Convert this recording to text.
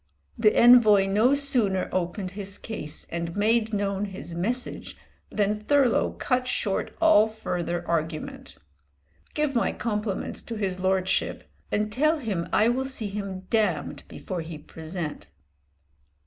The envoy no sooner opened his case and made known his message, than Thurlow cut short all further argument. "Give my compliments to his lordship, and tell him I will see him damned before he present."